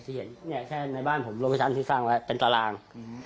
เห็นเนี่ยแค่ในบ้านผมโลเคชั่นที่สร้างไว้เป็นตาราง